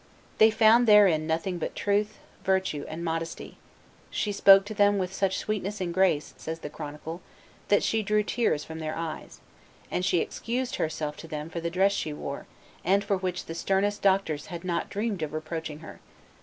They found therein nothing but truth, virtue, and modesty; "she spoke to them with such sweetness and grace," says the chronicle, "that she drew tears from their eyes;" and she excused herself to them for the dress she wore, and for which the sternest doctors had not dreamed of reproaching her.